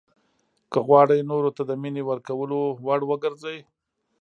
که غواړئ نورو ته د مینې ورکولو وړ وګرځئ.